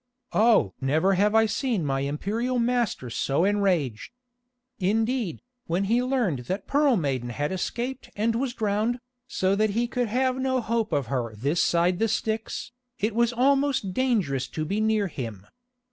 Oh! never have I seen my Imperial master so enraged. Indeed, when he learned that Pearl Maiden had escaped and was drowned, so that he could have no hope of her this side the Styx, it was almost dangerous to be near to him.